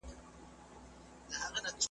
که د تورو ګوزارونه دم په دم خورم